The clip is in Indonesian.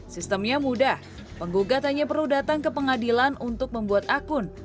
sistemnya mudah penggugatannya perlu datang ke pengadilan untuk membuat akun